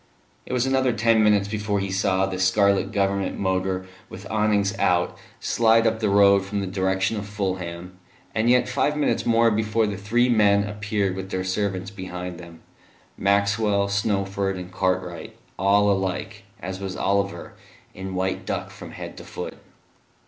It was another ten minutes before he saw the scarlet Government motor, with awnings out, slide up the road from the direction of Fulham; and yet five minutes more before the three men appeared with their servants behind them Maxwell, Snowford and Cartwright, all alike, as was Oliver, in white duck from head to foot.